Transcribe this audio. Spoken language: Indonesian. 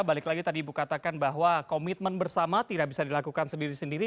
balik lagi tadi ibu katakan bahwa komitmen bersama tidak bisa dilakukan sendiri sendiri